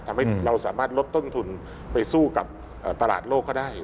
ทำให้เราสามารถลดต้นทุนไปสู้กับตลาดโลกเขาได้